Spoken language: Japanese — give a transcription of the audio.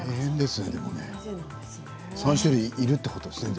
３種類いるということですね。